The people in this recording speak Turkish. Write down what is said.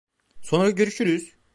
Sonra görüşürüz.